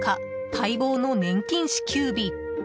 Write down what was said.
待望の年金支給日。